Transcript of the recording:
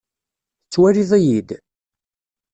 Tettwaliḍ-iyi-d?